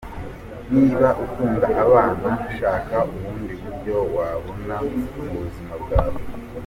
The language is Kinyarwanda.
Niba ukunda abana, shaka ubundi buryo wababona mu buzima bwawe.